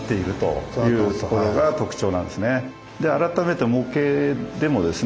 改めて模型でもですね